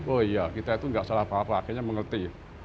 oh iya kita itu nggak salah apa apa akhirnya mengerti